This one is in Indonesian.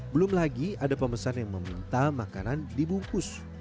belum lagi ada pemesan yang meminta makanan dibungkus